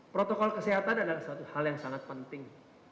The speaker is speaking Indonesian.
protokol kesehatan adalah suatu hal yang sangat penting